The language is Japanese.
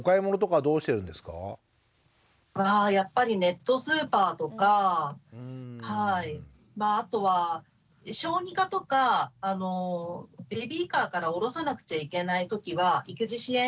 やっぱりネットスーパーとかまああとは小児科とかベビーカーから降ろさなくちゃいけないときは育児支援